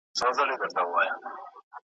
ځکه مي لمر ته وویل `